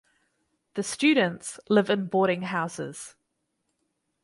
The students live in boarding houses.